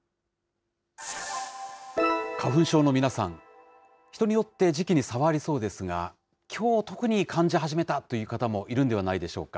花粉症の皆さん、人によって時期に差はありそうですが、きょう、特に感じ始めたという方もいるんではないでしょうか。